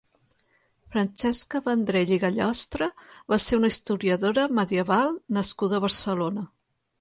Francesca Vendrell i Gallostra va ser una historiadora medieval nascuda a Barcelona.